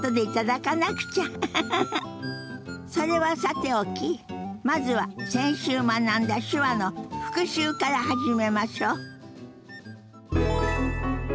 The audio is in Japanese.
それはさておきまずは先週学んだ手話の復習から始めましょ。